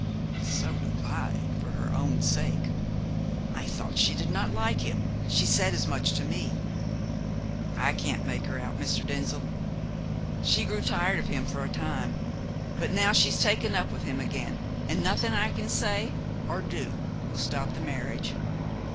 "So do I for her own sake. I thought she did not like him. She said as much to me." "I can't make her out, Mr. Denzil. She grew tired of him for a time, but now she has taken up with him again, and nothing I can say or do will stop the marriage.